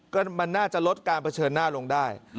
ก็มันน่าจะลดการเผชิญหน้าลงได้